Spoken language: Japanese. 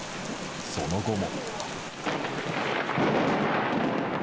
その後も。